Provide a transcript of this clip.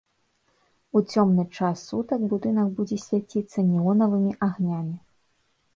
У цёмны час сутак будынак будзе свяціцца неонавымі агнямі.